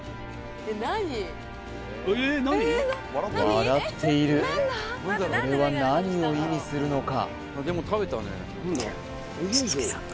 笑っているこれは何を意味するのか？